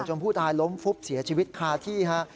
ผู้ตายล้มฟุบเสียชีวิตคาที่ฮะ